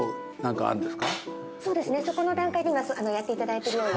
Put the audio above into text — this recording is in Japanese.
そうですねそこの段階で今やっていただいているように。